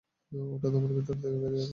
ওটা তোমার ভেতর থেকে বেরিয়ে এলো।